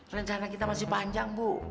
rencana kita masih panjang bu